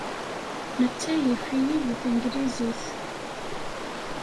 Netta yif-iyi deg tanglizit.